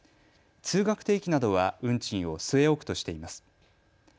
通学定期などは運賃を据え置くとしています。